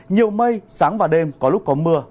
nhiều mây sáng và đêm có lúc có mưa